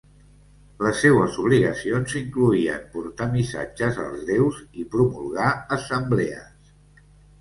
Les seues obligacions incloïen portar missatges als déus i promulgar assemblees.